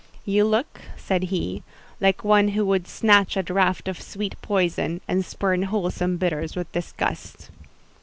"You look," said he, "like one who would snatch at a draught of sweet poison, and spurn wholesome bitters with disgust."